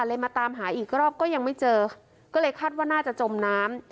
มาตามหาอีกรอบก็ยังไม่เจอก็เลยคาดว่าน่าจะจมน้ำ